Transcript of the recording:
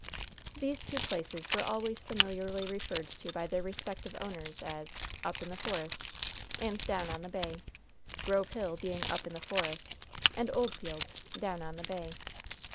These two places were always familiarly referred to by their respective owners as "Up in the Forest" and "Down on the Bay" Grove Hill being "Up in the Forest," and Oldfield "Down on the Bay."